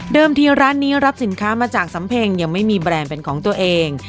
ที่ร้านนี้รับสินค้ามาจากสำเพ็งยังไม่มีแบรนด์เป็นของตัวเอง